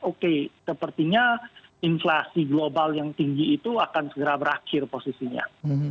oke sepertinya inflasi global yang tinggi itu akan segera berakhir posisinya